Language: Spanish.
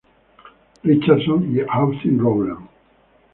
Richardson y Austen Rowland.